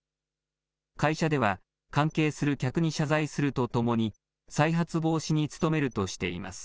会社では関係する客に謝罪するとともに、再発防止に努めるとしています。